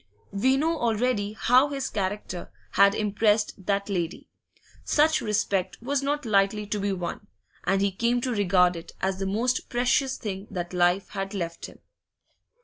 We know already how his character had impressed that lady; such respect was not lightly to be won, and he came to regard it as the most precious thing that life had left him.